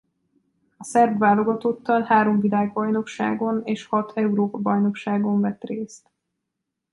A szerb válogatottal három világbajnokságon és hat Európa-bajnokságon vett részt.